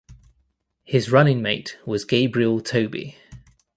His running mate was Gabriel Toby.